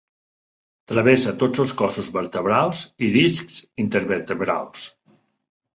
Travessa tots els cossos vertebrals i discs intervertebrals.